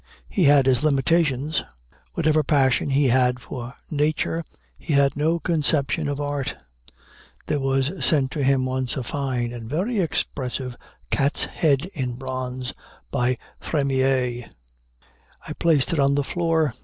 He had his limitations. Whatever passion he had for nature, he had no conception of art. There was sent to him once a fine and very expressive cat's head in bronze, by Frémiet. I placed it on the floor.